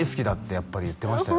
やっぱり言ってましたよ